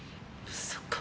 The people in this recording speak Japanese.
そっか。